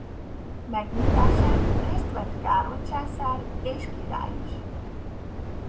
Megnyitásán részt vett Károly császár és király is.